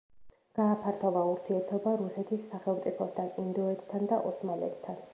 გააფართოვა ურთიერთობა რუსეთის სახელმწიფოსთან, ინდოეთთან და ოსმალეთთან.